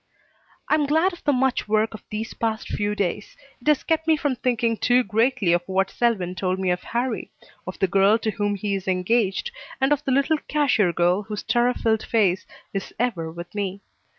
I am glad of the much work of these past few days. It has kept me from thinking too greatly of what Selwyn told me of Harrie, of the girl to whom he is engaged, and of the little cashier girl whose terror filled face is ever with me.